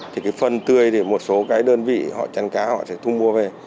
thì cái phân tươi thì một số cái đơn vị họ chăn cá họ sẽ thu mua về